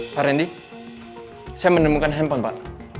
pak randy saya menemukan handphone pak